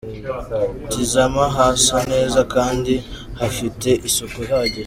Tizama hasa neza kandi hafite isuku ihagije.